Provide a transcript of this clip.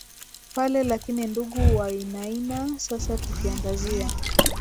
pale lakini ndugu wainaina sasa tukiangazia